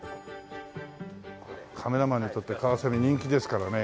カメラマンにとってカワセミ人気ですからね